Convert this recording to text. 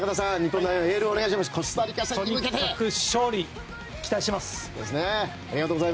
とにかく勝利期待しています！